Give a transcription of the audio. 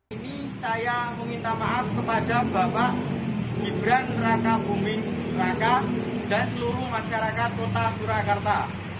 ini saya meminta maaf kepada bapak gibran raka buming raka dan seluruh masyarakat kota surakarta